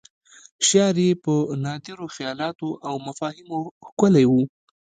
شعر یې په نادرو خیالاتو او مفاهیمو ښکلی و.